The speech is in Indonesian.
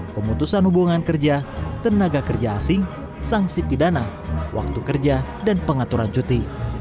pemutusan hubungan kerja tenaga kerja asing sanksi pidana waktu kerja dan pengaturan cuti